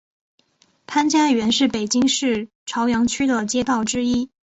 潘家园是北京市朝阳区的街道之一。